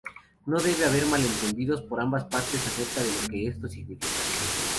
No debe haber malentendidos por ambas partes acerca de lo que esto significa.